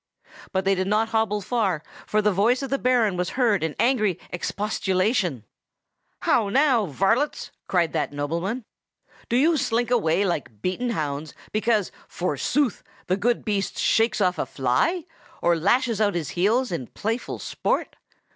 But they did not hobble far, for the voice of the Baron was heard in angry expostulation. "They found themselves flying through the air." "How now, varlets!" cried that nobleman. "Do you slink away like beaten hounds because, forsooth, the good beast shakes off a fly, or lashes out his heels in playful sport?